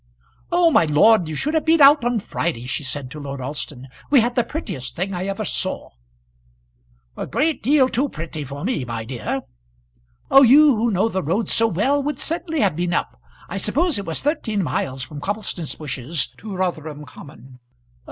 "Oh, my lord, you should have been out on Friday," she said to Lord Alston. "We had the prettiest thing I ever saw." "A great deal too pretty for me, my dear." "Oh, you who know the roads so well would certainly have been up. I suppose it was thirteen miles from Cobbleton's Bushes to Rotherham Common."